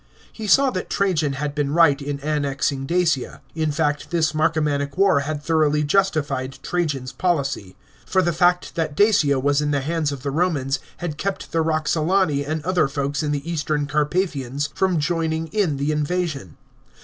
He >aw that Trajan had been right in annexing Dacia. In fact, this Marcomannic war had thoroughly justified Trajan's policy ; for the fact that Dacia was in the hands of the Romans had kept the Roxolani and other folks in the Eastern Carpathians from joining in the invasion.